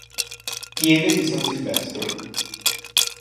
Pieve di San Silvestro